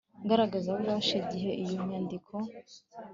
ngaragazabubasha igihe iyo nyandiko